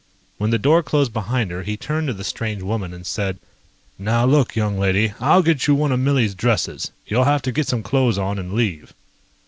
When the door closed behind her, he turned to the strange woman and said: "Now, look, young lady, I'll get you one of Millie's dresses. You'll have to get some clothes on and leave."